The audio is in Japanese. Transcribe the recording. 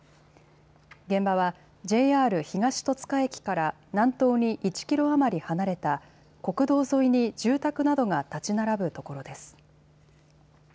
現場は、ＪＲ東戸塚駅から南東に１キロ余り離れた、国道沿いに住宅などが建ち並ぶ所です。